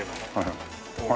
はい。